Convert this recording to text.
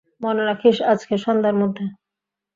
মনে রাখিস, আজকে সন্ধ্যার মধ্যে।